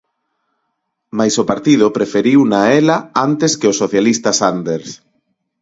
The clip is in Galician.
Mais o partido preferiuna a ela antes que ao "socialista" Sanders.